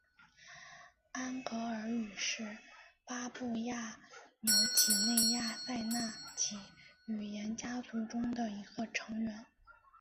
安哥尔语是巴布亚纽几内亚赛纳几语言家族中的一个成员。